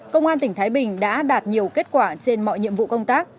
công an tỉnh thái bình đã đạt nhiều kết quả trên mọi nhiệm vụ công tác